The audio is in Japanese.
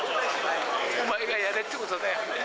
お前がやれってことだよ。